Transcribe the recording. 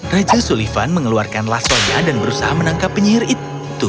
raja sulivan mengeluarkan lastonya dan berusaha menangkap penyihir itu